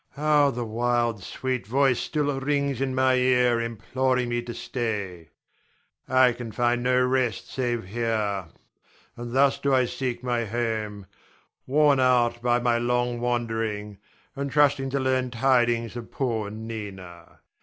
How the wild, sweet voice still rings in my ear imploring me to stay. I can find no rest save here; and thus do I seek my home, worn out by my long wandering, and trusting to learn tidings of poor Nina.